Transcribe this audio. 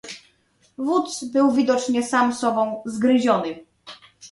"Wódz był widocznie sam sobą zgryziony."